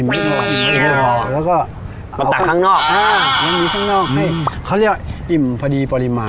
อิ่มพอแล้วก็มาตักข้างนอกอ่ามันมีข้างนอกให้เขาเรียกว่าอิ่มพอดีปริมาณ